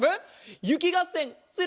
ゆきがっせんする？